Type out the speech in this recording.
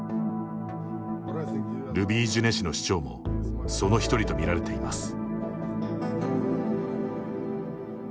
ルビージュネ市の市長もその１人と見られています。